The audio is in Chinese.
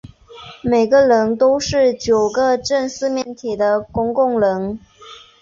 每个棱都是九个正四面体的公共棱。